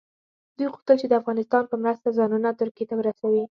دوی غوښتل چې د افغانستان په مرسته ځانونه ترکیې ته ورسوي.